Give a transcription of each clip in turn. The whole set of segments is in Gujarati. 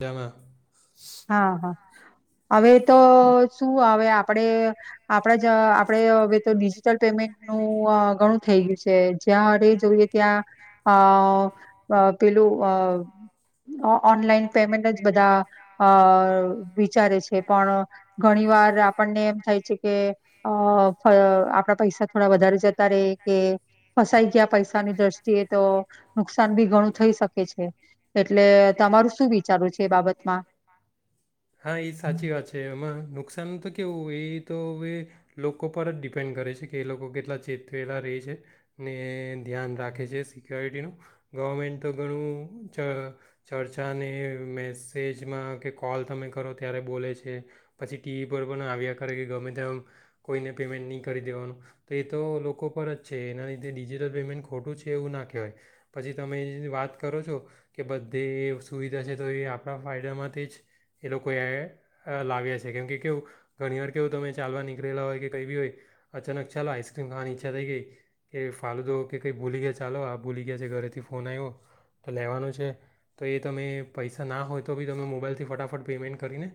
જામ [unintelligible] હા હા હવે તો શું આવે આપણેે આપ આપણેે જ આપણે હવે તો ડિજિટલ પેમેન્ટનું ઘણું થઈ ગયું છે જ્યાં જોઈએ ત્યાં અ પેલું અ ઓનલાઈન પેમેન્ટ જ બધા અ વિચારે છે પણ ઘણી વાર આપણને એમ થાય છે કે અ આપણા પૈસા થોડા વધારે જતા રે કે ફસાઈ ગયા પૈસાની દ્રષ્ટિએ તો નુકસાન બી ઘણું થઈ શકે છે એટલે તમારું શું વિચારું છે એ બાબતમાં હા એ સાચી વાત છે એમાં નુકસાન તો કેવું એ તો અવે લોકો પર જ ડિપેન્ડ કરે છે કે એ લોકો કેટલા ચેતવેલા રહે છે ને ધ્યાન રાખે છે શિક. [unintelligible] સિક્યોરિટીનું ગવર્મેન્ટ તો ઘણું ચ ચર્ચાને મેસેજમાં કે કોલ તમે કરો ત્યારે બોલે છે પછી ટીવી પર પણ આવ્યા કરે કે ગમે તેમ કોઈને પેમેન્ટ નહીં કરી દેવાનું તો એ તો લોકો પર જ છે એના લીધે ડિજિટલ પેમેન્ટ ખોટું છે એવું ના કહેવાય પછી તમે વાત કરો છો કે બધે સુવિધા છે તો એ આપણા ફાયદામાંથી જ એ લોકો એ લાવ્યા છે કેમ કે કેવું ઘણી વાર કેવું તમે ચાલવા નની [inaudible] લા હોય કે કઈ બી હોય અચાનક ચાલો આઈસ્ક્રીમ ખાવાની ઈચ્છા થઈ ગઈ કે ફાલુદો કે કંઈ ભૂલી ગયા ચાલો આ ભૂલી ગયા છે ઘરેથી ફોન આવ્યો તો લેવાનો છે તો એ તમે પૈસા ના હોય તો બી તમે મોબાઈલથી ફટાફટ પેમેન્ટ કરીને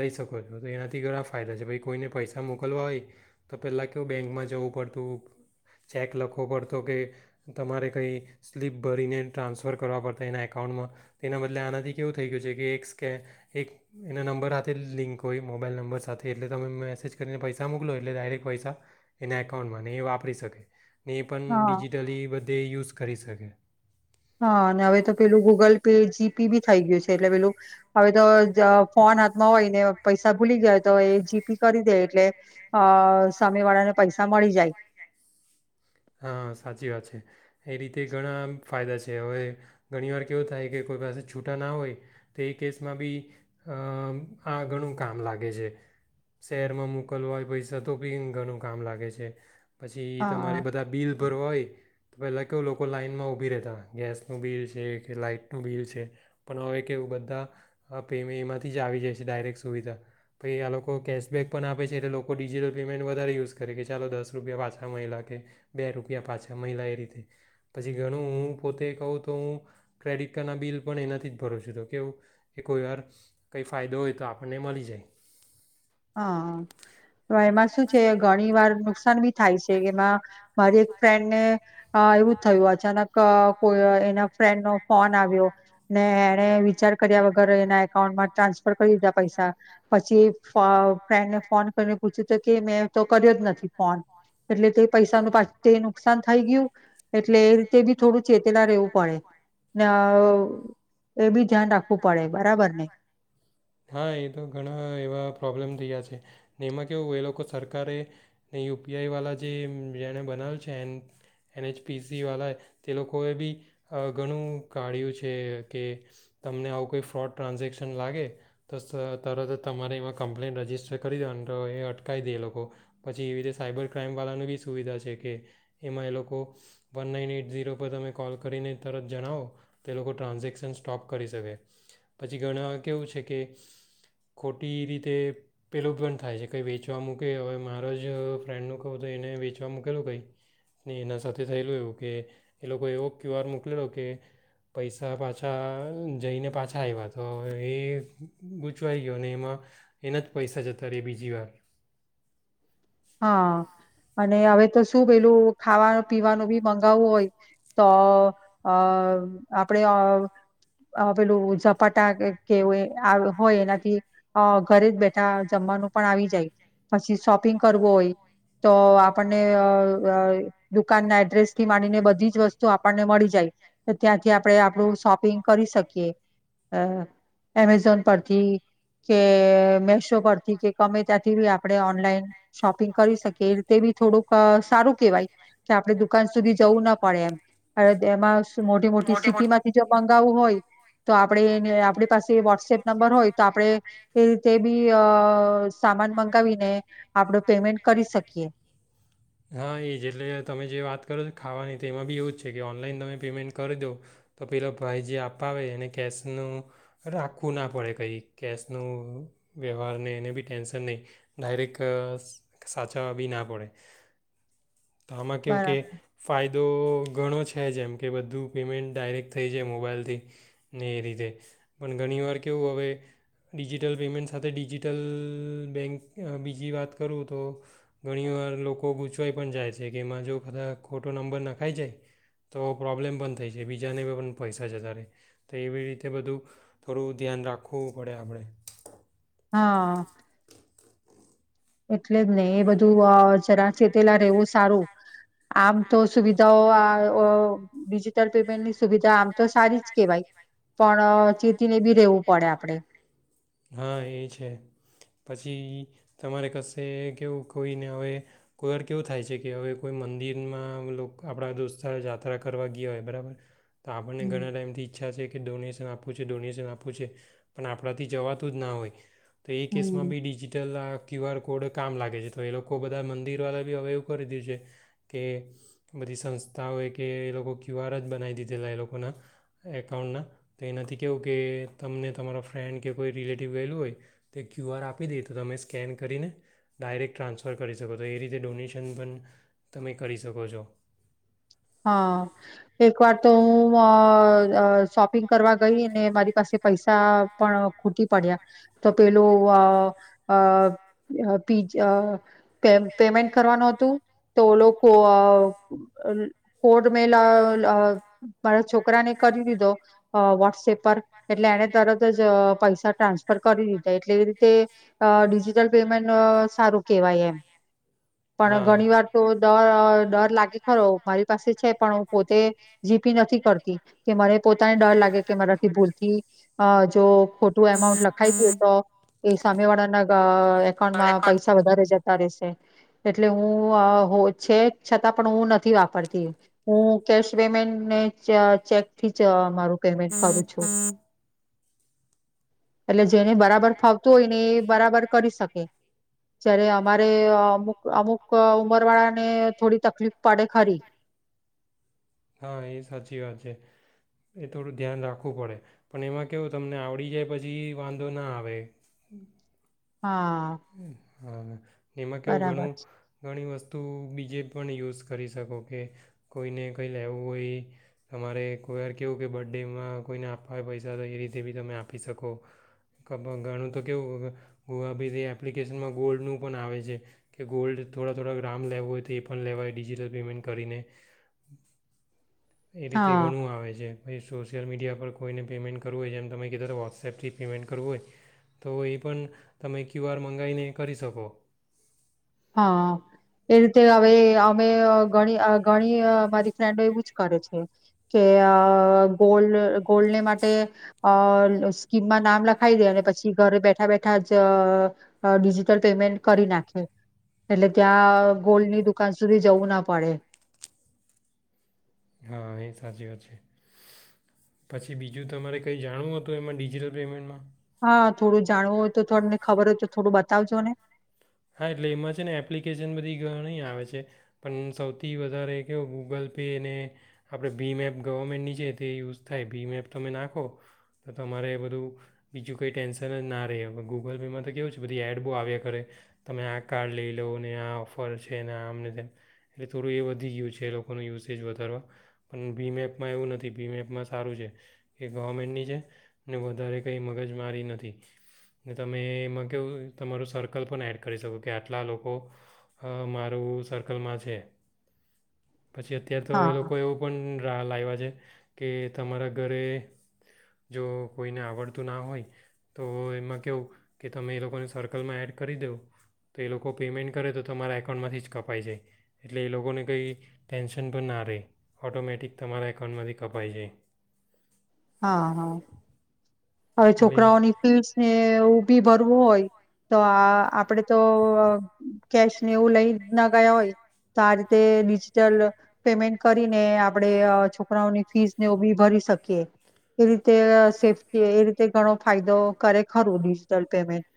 લઈ શકો છો તો એનાથી ઘરા ફાયદા છે ભાઈ કોઈને પૈસા પાછા મોકલવા હોય તો પહેલાં કેવું બેંકમાં જવું પડતું ચેક લખવો પડતો કે તમારે કંઈ સ્લીપ ભરીને ટ્રાન્સફર કરવા પડતા એના એકાઉન્ટમાં તેના બદલે આનાથી કેવું થઈ ગયું છે કે એક સ્કેન એક એના નંબર હાથે લિંક હોય મોબાઈલ નંબર સાથે એટલે તમે મેસેજ કર એને પૈસા મકલો એટલે ડાયરેક પૈસા એના એકઉન્ટમાંને એ વાપરી શકે. ને એ પણ હા. ડિજિટલી બધે યુઝ કરી શકે. હા અને હવે તો પેલું ગૂગલ પે જીપી બી થઈ ગયું છે એટલે પેલું હવે તો ફોન હાથમાં હોયને પૈસા ભૂલી ગયા તો એ જીપી કરી દે એટલે સમય વાળાને પૈસા મળી જાય. હા સાચી વાત છે એ રીતે ઘણા ફાયદા છે હવે ઘણી વાર કેવું થાય કે કોઈ પાસે છૂટા ના હોય તો એ કેસમાં બી આ ઘણું કામ લાગે છે શહેરમાં મોકલ હોય પૈસા તો બી ઘણું કામ લાગે છે. પછી તમારે હા બધા બિલ ભર હોય તો પહેલા કેવ લોકો લાાઈનમાં ઊભી રહેતા ગેસનું બિલ છે કે લાાઈટનું બિલ છે પણ હવે કેવું બધા પેમે એમાંથી જ આવી જાય છે ડાયરેક્ટ સુવિધા પછ આ લોકો કેશબેક પણ આપે છે એટલે લોકો ડિજિટલ પેમેન્ટ વધારે યુઝ કરે કે ચાલો દસ રૂપિયા પાછા મેળાકે બે રૂપિયા પાછા મયલા એ રીતે પછી ઘણું હું પોતે કહું તો હું ક્રેડિટ કાર્ડનાં બિલ પણ એ નથી જ ભરો છું તો કેવું એ કોઈ વાર કંઈ ફાયદો હોય તો આપણને મળી જાય. હા તો એમાં શું છે ઘણી વાર નુકસાન બી થાય છે એમાં મારી એક ફ્રેન્ડને હા એવું જ થયું અચાનક કોઈ એના ફ્રેન્ડ નો ફોન આવ્યો ને એને વિચાર કર્યા વગર એના એકાઉન્ટમાં ટ્રાન્સફર કરી દીધા પૈસા પછી એ ફ્રેન્ડને ફોન કરીને પૂછ્યું તો કેય કે મેં તો કર્યો જ નથી. કોન એટલે તે પૈસાનું પાછ તે નુકસાન થઈ ગયું એટલે તેબી થોડું ચેતેલા રહેેવું પડે ને એ બી ધ્યાન રાખવું પડે બરાબર ને. રહ્યા છે. એમાં કેવું એ લોકો સરકારે ને યુ પી આઈ વાળા જે જેણે બનાવલ છે એન એન એચ પીસી વાળાએ તે લોકોએ બી ઘણું કાઢ્યું છે કે તમને આવું કોઈ ફ્રોડ ટ્રાન્ઝેક્શન લાગે તો સ તરત તમારે એમાં કમ્પ્લેન રજીસ્ટર કરી દેવાની તો એ અટકાવી દે એ લોકો પછી પછી એવી રીતે સાયબર ક્રાાઈમવાળાનું બી સુવિધા છે કે એમાં એ લોકો વન નાઇન એટ ઝીરો પર તમે કોલ કરીને તરત જણાવો તો એ લોકો ટ્રાન્ઝેક્શન સ્ટોપ કરી શકે પછી ઘણા કેવું છે કે ખોટી રીતે પેલુ પણ થાય છે કંઈ વેચવા મૂકે હવે મારો જ જ ફ્રેન્ડનું કહું તો એને વેચવા મૂકેલું કંઈ ને એના સાથે થયેલું એવું કે એ લોકો એવો ક્યુઆર મુકલ્યો કે પૈસા પાછા જઈને પાછા આવ્યા તો એ ગૂચવાઈ ગયો અને એમાં એના જ પૈસા જતા ર બીજી વાર. હા અને હવે તો શું પેલું ખાવાનું પીવાનું બી મગાવવું હોય તો અ આપડે પેલું ઝપાટા કે હોય એનાથી ઘરે જ બેઠા જમવાનું પણ આવી જાય પછી શોપિંગ કરવો હોય તો આ આપણને અ બ દુકાનના એડ્રેસથી માનીને બધી જ વસ્તુ આપણને મળી જાય તો ત્યાંથી આપણે આપણું શોપિંગ કરી શકીએ અ એમેઝોન પરથી કે મેશો પરથી કે ગમે ત્યાંથી બી આપણે ઓનલાઈન શોપિંગ કરી શકે એ રીતે બી થોડુંક સારું કેહેવાય કે આપણે દુકાન સુધી જવું ના પડે એમ હવે એમાં મોટી-મોટી સિટીમાંથી જો મંગાવવું હોય તો આપડે એ આપણી પાસે વોટસએપ નંબર હોય તો આપડે એ રીતે બી અ સામાન મંગાવીને આપડુ પેમેન્ટ કરી શકીએ. હા એ જ એટલે તમે જે વાત કરો છો ખાવાની તે એમાં બી એવું જ છે કે ઓનલાઈન તમે પેમેન્ટ કરી દો તો પેલો ભાઈ જે આપાવે એને કેશનું રાખવું ના પડે કંઈ કેશનું વ્યવહાર નહીં એને બી ટેન્શન નહીં ડાયરેક્ટ સાચવવા બી ના પડે. તો આમાં કેવું કે બરાબર ફાયદા ફાયદો ઘણો છે જેમ કે બધું પેમેન્ટ ડાયરેક્ટ થઈ જાય મોબાઈલથી ને એ રીતે પણ ઘણીવાર કેવું હવે ડિજિટલ પેમેન્ટ સાથે ડિજિટલ બેંક બીજી વાત કરું તો ઘણીવાર લોકો ગૂંચવાઈ પણ જાય છે કે એમાં જો કદા ખોટો નંબર નાખાઈ જાય તો પ્રોબ્લેમ પણ થઈ જાય બીજાને પણ પૈસા જતા રે તો એવી રીતે બધું થોડું ધ્યાન રાખવું પડે આપડે. હા. એટલે જ નહી એ બધું અ જરા ચેતેલા રહેેવું સારું આમ તો સુવિધાઓઆ અ ડિજિટલ પેમેન્ટની સુવિધા આમ તો સારી જ કેહેવાય પણ ચેતીને બી રેવું પડે આપડે. હા એ છે પછી તમારે કશે કેવું કોઈને હવે કોઈ વાર કેવું થાય છે કે હવે કોઈ મંદિરમાં લોકો આપણા દોસ્તદાર યાત્રા કરવા ગયા હોય બરાબર તો આપણને હમ ઘણા ટાઈમથી ઈચ્છા છે કે ડોનેશ આપવું છે ડોનેશન આપવું છે પણ આપણાથી જવાથી તધ નાવય. તો એ હમ કેસમાં બી ડિજિટલ આ ક્યુઆર કોડ કોડ કામ લાગે છે તો એ લોકો બધા મંદિરવાળા બી હવે એવું કરી દીધું છે કે બધી સંસ્થાઓએ કે એ લોકો ક્યુઆર જ બનાવી દીધેલા એ લોકોના એકાઉન્ટના તો એનાથી કેવું કે તમને તમારા ફ્રેન્ડ કે કોઈ રિલેટિવ ગયેલું હોય તે ક્યુ આર આપી દે તો તમે સ્કેન કરીને ડાયરેક ટ્રાન્સફર કરી શકો તો એ રીતે ડોનેશન પણ તમે કરી શકો છો. હા એક વાર તો અ શોપિંગ કરવા ગઈને મારી પાસે પૈસા પણ ખૂટી પડ્યા તો પેલું પી પેમેન્ટ કરવાનું હતું તો લોકો. કોડ મે મારા છોકરાને કરી દીધો વોટ્સએપ. એટલે એને તરત જ પૈસા ટ્રાન્સફર કરી દીધા એટલે એ રીતે ડિજિટલ પેમેન્ટ સારું કેવાય એમ પણ હા ઘણી વાર તો ડ ખરો. મારી પાસે છે પણ હું પોતે જીપી નથી કરતી કે મને પોતાને ડર લાગે કે મારાથી ભૂલતી અ જો ખોટું અમાઉન્ટ લખાઈ ગયું તો. એ સમયવાડા ના ગ એકાઉન્ટમાં પૈસા વધારે જ એટલે હું છે છતાં પણ હું નથી વાગતો. હું કેશ પેમેન્ટ ને ચેકથી માર પેમેન્ટ કરું છું. એટલે જેને બરાબર ફાવતું હોય ને એ બરાબર કરી શકે જય્યારે અમારે અમુક અમુક ઉંમર વાળાને થોડી તકલીફ પાડે ખરી. હા એ સાચી વાત છે એ થોડું ધ્યાન રાખવું પડે પણ એમાં કેવું તમને આવડી જાય પછી વાંધો ના આવે. હા. હમ. એમાં કેવું બરાબર ઘણું છે. ઘણી વસ્તુ બીજે પણ યુઝ કરી શકો કે કોઈને કંઈ લેવું હોય તમારે કોઈ વાર કેવું કે બર્થ ડેમાં કોઈને આપવા હોય પૈસા તો એ રીતે બી તમે આપી શકો ઘણું તો કેવું ગુવા બીથી આપ એપ્લિકેશનમાં ગોલ્ડનું પણ આવે છે કે ગોલ્ડ થોડા થોડા ગ્રામ લેવો હોય તો એ પણ લેવાય ડિજિટલ પેમેન્ટ કરીને એ રીતે હા ઘણું આવે છે. ભછ સોશિયલ મીડિયા પર કોઈને પેમેન્ટ કરવું હોય જેમ તમે કીધા વોટ્સએપથી પેમેન્ટ કરવું હોય તો એ પણ તમે ક્યુ આર મંગાવીને કરી શકો. હા એ રીતે હવે અમે ગણી ગણી મારી ફ્રેન્ડો એવું જ કરે છે કે ગોલ્ડ ગોલ્ડને માટે અ સ્કીમમાં નામ લખી દે અને પછી ઘરે બેઠા બેઠા જ ડિજિટલ પેમેન્ટ કરી નાખે. એટલે ત્યાં ગોલ્ડની દુકાન સુધી જવું ના પડે. હા એ સાચી વાત છે પછી બીજું તમારે કંઈ જાણવું હતું એમાં ડિજિટલ પેમેન્ટમાં હા થોડું જાણવું હોય તોમને ખબર હોય તો થોડું બતાવજો ને હા એટલે એમાં છે ને એપ્લિકેશન બધી ઘણી આવે છે પણ સૌથી વધારે કવો ગૂગલ પે ને આપણે ભીમે એપ ગવર્મેન્ટની છે તે યુઝ થાય ભીમે એપ તમે નાખો તો તમારે બધું બીજું કંઈ ટેન્શન જ ના રહે હવે ગૂગલ પેમાં તો કેવું છે બધી એડ બહુ આવ્યા ખરે તમે આ કાર્ડ લઈ લો ને આ ઓફર છે ને આમ નથી એટલે થોડું એ વધી ગયું છે એ લોકોનું યુસેજ વધારવા પણ બીમેપમાં એવું નથી બીમેપમાં સારું છે કે ગવર્મેન્ટની છે ને વધારે કંઈ મગજ મારી નથી ને તમે એમાં કેહું તમારું સર્કલ પણ એડ કર કરી શું કે આટલા લોકો મારું સર્કલમાં છે પછી અત્યાર તો એ હા લોકો એવું પણ ટ લ આવ્યા છે કે તમારા ઘરે જો કોઈને આવડતું ના હોય તો એમાં કહું કે તમે એ લોકોને સર્કલમાં એડ કરી દવં તો એ લોકો પેમેન્ટ કરે તો તમારા એકાઉન્ટમાંથી જ કપાઈ જાય એટલે એ લોકોને કંઈ ટેન્શન પણ ના રહે ઓટોમેટિક તમારા એકાઉન્ટમાંથી કપાઈ જાય હા હા હવે એટલે છોકરાઓની ફીડ ને એવું બી ભરવું હોય તો આ આપડે તો કેશને એવું લઈ ના ગયા હોય તો આ રીતે ડિજિટલ પેમેન્ટ કરીને આપડે છોકરાઓની ફીસને બી ભરી શકીએ એ રીતે સેફ એ રીતે ઘણો ફાયદો કરે ખરું ડિજિટલ પેમેન્ટ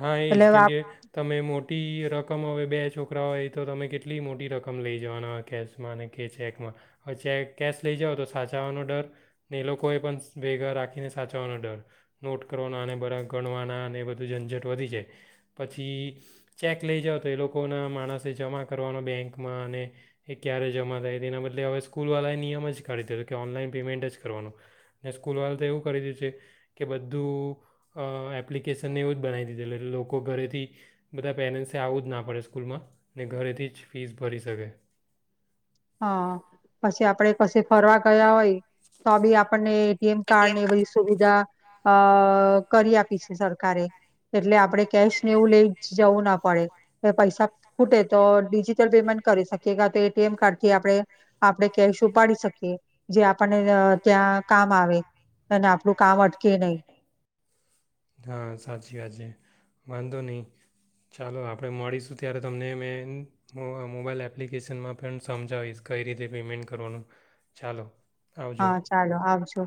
હા એજ એટલે કેમકે તમે મોટી રકમ હવે બે છો છોકરા હોય એ તો તમે કેટલી મોટી રકમ લઈ જવાના કેશમાં કે ચેકમાં હવે કેશ લઈ જઓ તો સાચવવાનો ડર ને એ લોકોએ પણ ભેગા રાખીને સાચવવાનો ડર નોટ કરવાનો બરા ગણવાના અને બધું જ વધી જાય પછી ચેક લઈ જઓ તો એ લોકોના માણસે જમા કરવાનો બેંકમાં અને એ ક્યારે જમા થાય તે એના બદલે હવે સ્કૂલવાળાએ નિયમ જ કરી દીધ કે ઓનલાઈન પેમેન્ટ જ કરવાનું ને સ્કૂલવાળા તો એવું કરી દીધ છે કે બધું એપ્લિકેશનને એવું જ બનાવી ટ લોકો ઘરેથી બધા પેરેન્ટસે આવવું જ ના પડે સ્કૂલમાં ને ઘરેથી જ ફીસ ભરી શકે હા પછી આપડે પછી ફરવા ગયા હોય તો બી આપણને મ કાર્ડ ને બ સુવિધા અ કરી આપી છે સરકારે એટલે આપડે કેશને એવું લઈ જવું ના પડે કે પૈસા ખૂટે તો ડિજિટલ પેમેન્ટ કરી શકીએ કે તો એટીએમ કાર્ડ આપણે આપણે કેશ ઉપાડી શકીએ જે આપણને ત્યાં કામ આવે અને આપણું કામ અટકે નહી હા સાચી વાત છે વાંધો નહીં ચાલો આપણે મળીશું ત્યારે તમને મેં મો મોબાઈલ એપ્લિકેશનમાં પણ સમજાવીશ કઈ રીતે પેમેન્ટ કરવાનું ચાલો આવજો હા ચાલો આવજો